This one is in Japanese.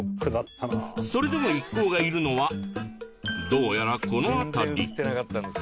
それでも一行がいるのはどうやらこの辺り